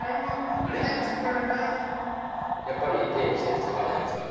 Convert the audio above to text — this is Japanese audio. やっぱり手入れしないと咲かないんですか？